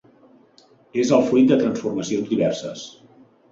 És el fruit de transformacions diverses.